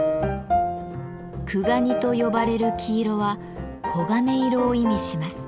「くがに」と呼ばれる黄色は黄金色を意味します。